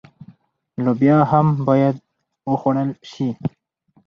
لوبیا هم باید وخوړل شي.